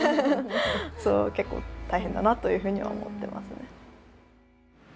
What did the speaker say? それは結構大変だなというふうには思ってますね。